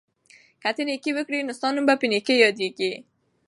که ته نېکي وکړې، ستا نوم به په نېکۍ یادیږي.